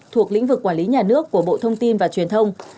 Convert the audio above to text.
thuộc lĩnh vực quản lý nhà nước của bộ thông tin và truyền thông